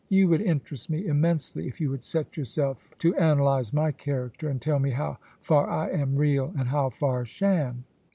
* You would interest me immensely if you would set yourself to analyse my character, and tell me how far I am real and how far sham.'